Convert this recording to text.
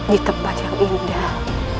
di tempat yang indah